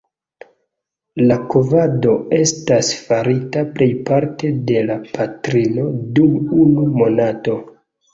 Kovado estas farita plejparte de la patrino dum unu monato.